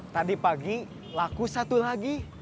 tadi pagi laku satu lagi